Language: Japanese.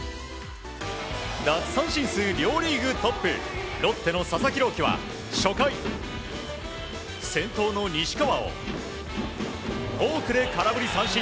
奪三振数、両リーグトップロッテの佐々木朗希は初回先頭の西川をフォークで空振り三振。